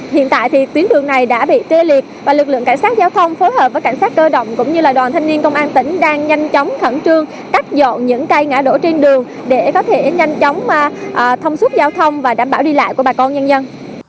hiện tại thì tuyến đường này đã bị tê liệt và lực lượng cảnh sát giao thông phối hợp với cảnh sát cơ động cũng như là đoàn thanh niên công an tỉnh đang nhanh chóng khẩn trương cắt dọn những cây ngã đổ trên đường để có thể nhanh chóng thông suốt giao thông và đảm bảo đi lại của bà con nhân dân